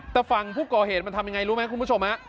แต่ฝั่งผู้ก่อเหตุมันทำยังไงรู้ไหมคุณผู้ชม